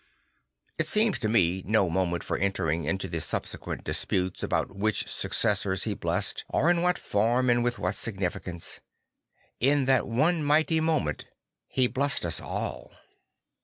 It seems to me no moment for entering into the subsequent disputes about which suc cessors he blessed or in what form and with what significance. In that one mighty moment he blessed us all.